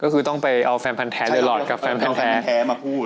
ก็คือต้องไปเอาแฟนพันแท้ด้วยหลอดกับแฟนพันแท้ใช่เอาแฟนพันแท้มาพูด